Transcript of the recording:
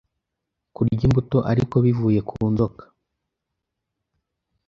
kurya imbuto ariko bivuye ku nzoka